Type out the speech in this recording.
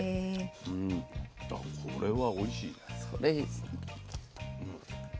うんこれはおいしいね。